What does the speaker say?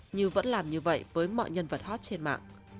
nhưng vẫn làm như vậy với mọi nhân vật hot trên mạng